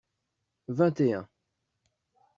Vingt et un.